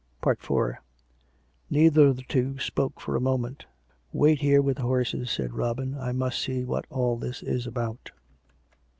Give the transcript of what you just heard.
IV Neither of the two spoke for a moment. " Wait here with the horses," said Robin. " I must see what all this is about."